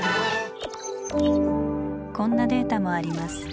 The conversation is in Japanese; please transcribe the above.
こんなデータもあります。